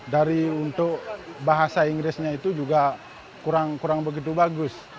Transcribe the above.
dari untuk bahasa inggrisnya itu juga kurang begitu bagus